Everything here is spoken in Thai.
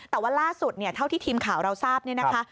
แต่ว่าล่าสุดเนี่ยเท่าที่ทีมข่าวเราทราบเนี่ยนะคะ